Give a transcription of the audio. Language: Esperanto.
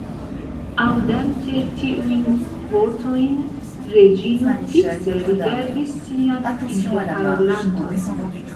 Aŭdante tiujn vortojn, Reĝino fikse rigardis sian interparolanton.